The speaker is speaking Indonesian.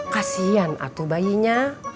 kasian atuh bayinya